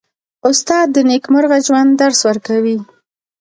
استاد د نېکمرغه ژوند درس ورکوي.